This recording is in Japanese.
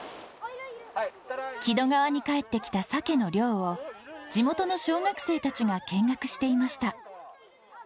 木戸川に帰ってきたサケの漁を、地元の小学生たちが見学していました。